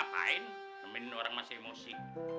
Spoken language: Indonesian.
hai domen orang masih emosi